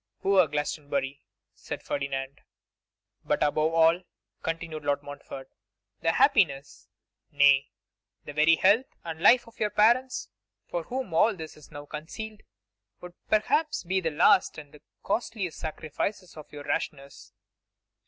'Poor Glastonbury!' said Ferdinand. 'But above all,' continued Lord Montfort, 'the happiness, nay, the very health and life of your parents, from whom all is now concealed, would perhaps be the last and costliest sacrifices of your rashness.